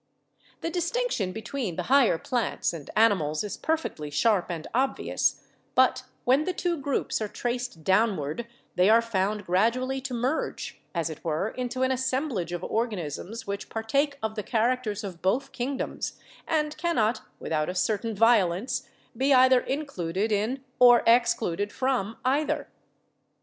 The distinction between the higher plants and animals is perfectly sharp and obvious, but when the two groups are traced downward they are found gradually to io8 BIOLOGY merge, as it were, into an assemblage of organisms which partake of the characters of both kingdoms and cannot without a certain violence be either included in or excluded from either.